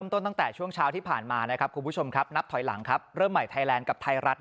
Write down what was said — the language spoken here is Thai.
เริ่มต้นตั้งแต่ช่วงเช้าที่ผ่านมานับถอยหลังเริ่มใหม่ไทยแลนด์ไทรรัฐ